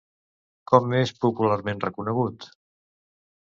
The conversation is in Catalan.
Com és popularment reconegut?